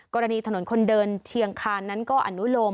กรณีถนนคนเดินเชียงคานนั้นก็อนุโลม